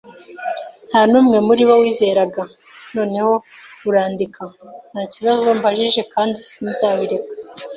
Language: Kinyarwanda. nta n'umwe muri bo wizeraga. Noneho urandika. Nta kibazo mbajije, kandi sinzabireka